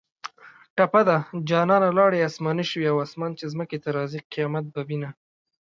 ټپه ده: جانانه لاړې اسماني شوې اسمان چې ځمکې ته راځي قیامت به وینه